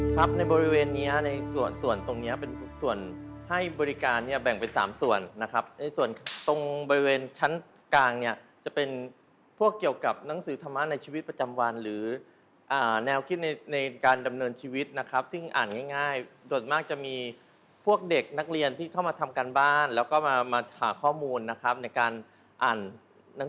ครับในบริเวณนี้ในส่วนตรงนี้เป็นส่วนให้บริการเนี่ยแบ่งเป็น๓ส่วนนะครับในส่วนตรงบริเวณชั้นกลางเนี่ยจะเป็นพวกเกี่ยวกับหนังสือธรรมะในชีวิตประจำวันหรือแนวคิดในการดำเนินชีวิตนะครับซึ่งอ่านง่ายส่วนมากจะมีพวกเด็กนักเรียนที่เข้ามาทำการบ้านแล้วก็มาหาข้อมูลนะครับในการอ่านหนังสือ